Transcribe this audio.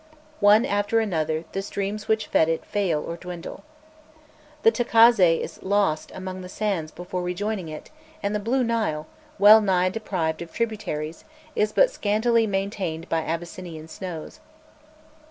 One after another, the streams which fed it fail or dwindle. The Tacazze is lost among the sands before rejoining it, and the Blue Nile, well nigh deprived of tributaries, is but scantily maintained by Abyssinian snows.